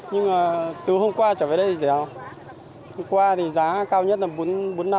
nhưng từ hôm qua trở về đây thì dẻo hôm qua thì giá cao nhất là bốn mươi năm đồng